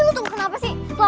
lo tuh kenapa sih